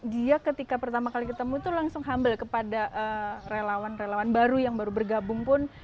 dia ketika pertama kali ketemu itu langsung humble kepada relawan relawan baru yang baru bergabung pun